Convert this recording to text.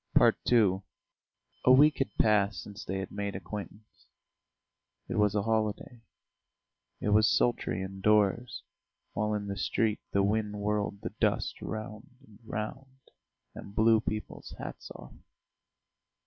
II A week had passed since they had made acquaintance. It was a holiday. It was sultry indoors, while in the street the wind whirled the dust round and round, and blew people's hats off.